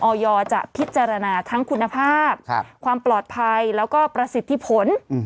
จะพิจารณาทั้งคุณภาพความปลอดภัยแล้วก็ประสิทธิผล